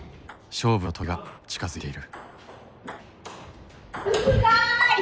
勝負の時が近づいている。